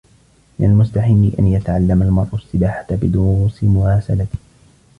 من المستحيل أن يتعلّم المرأ السّباحة بدروس مراسلة.